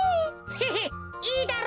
ヘヘッいいだろ？